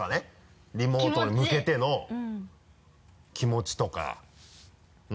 リモートに向けての気持ちとか。